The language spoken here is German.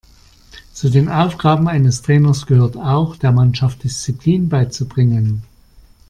Zu den Aufgaben eines Trainers gehört auch, der Mannschaft Disziplin beizubringen.